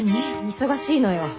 忙しいのよ。